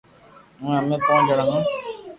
ائمي امي پونچ جڻو ھون